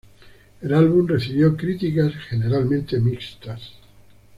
El álbum recibió críticas generalmente mixtas.